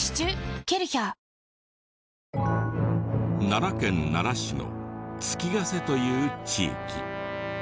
奈良県奈良市の月ヶ瀬という地域。